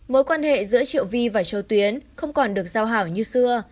mối quan hệ giữa triệu vi và châu tuyến không còn được giao hảo như xưa